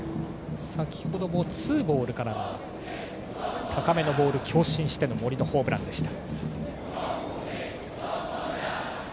先程もツーボールからの高めのボールを強振しての森のホームランでした。